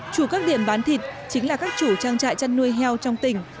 chủ các điểm bán thịt chính là các chủ trang trại chăn nuôi heo trong tỉnh